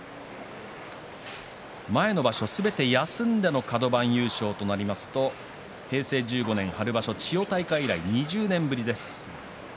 前の場所すべて休んでのカド番優勝となりますと平成１５年春場所千代大海以来２０年ぶりです。